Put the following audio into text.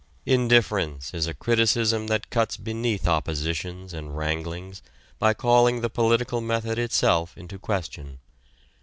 Indifference is a criticism that cuts beneath oppositions and wranglings by calling the political method itself into question.